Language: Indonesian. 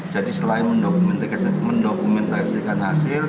jadi selain mendokumentasikan hasil kita juga